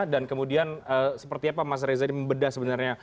dan kemudian seperti apa mas reza ini membedah sebenarnya